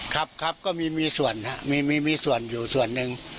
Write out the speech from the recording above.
ครับครับก็มีส่วนครับมีส่วนอยู่ส่วนหนึ่ง